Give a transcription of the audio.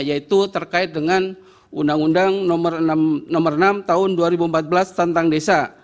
yaitu terkait dengan undang undang nomor enam tahun dua ribu empat belas tentang desa